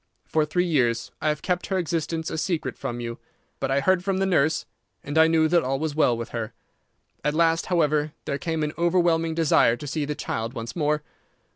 For three years I have kept her existence a secret from you, but I heard from the nurse, and I knew that all was well with her. At last, however, there came an overwhelming desire to see the child once more.